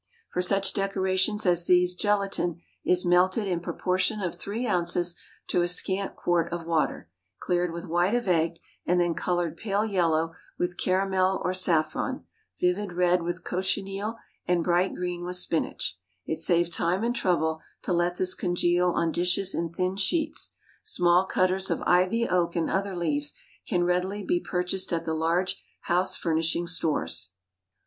For such decorations as these gelatine is melted in proportion of three ounces to a scant quart of water, cleared with white of egg, and then colored pale yellow with caramel or saffron, vivid red with cochineal, and bright green with spinach; it saves time and trouble to let this congeal on dishes in thin sheets. Small cutters of ivy, oak, and other leaves can readily be purchased at the large house furnishing stores.